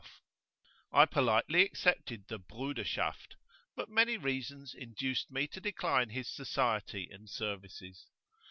[FN#3] I politely accepted the "Bruderschaft," but many reasons induced me to decline his society and services.